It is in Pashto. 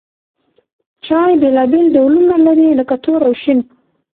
چای بېلابېل ډولونه لري لکه تور او شین.